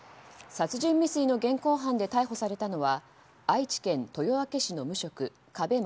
殺人未遂の現行犯で逮捕されたのは愛知県豊明市の無職加部勝